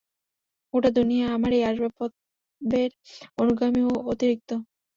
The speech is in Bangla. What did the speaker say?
গোটা দুনিয়া আমার এই আসবাবের অনুগামী ও অতিরিক্ত।